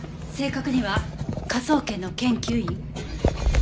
正確には科捜研の研究員。